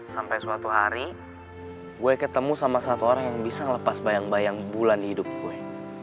sampai suatu hari gue ketemu sama satu orang yang bisa lepas bayang bayang bulan hidup gue